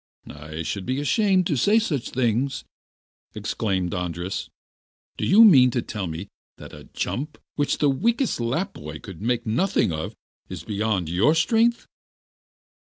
'I should be ashamed to say such things,' exclaimed Andras. 'Do you mean to tell me that a jump, which the weakest Lapp boy would make nothing of, is beyond your strength?